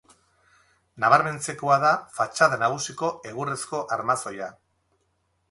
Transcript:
Nabarmentzekoa da fatxada nagusiko egurrezko armazoia.